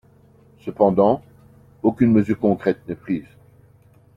Cependant, aucune mesure concrète n’est prise.